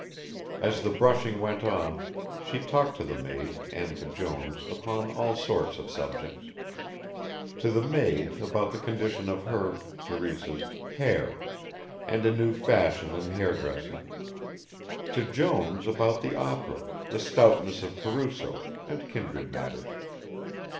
As the brushing went on she talked to the maid and to Jones upon all sorts of subjects. To the maid about the condition of her Teresa's hair, and a new fashion in hair dressing, to Jones about the Opera, the stoutness of Caruso, and kindred matters.